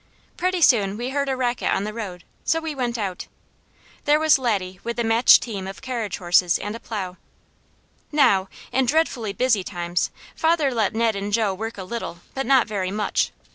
Pretty soon we heard a racket on the road, so we went out. There was Laddie with the matched team of carriage horses and a plow. Now, in dreadfully busy times, father let Ned and Jo work a little, but not very much.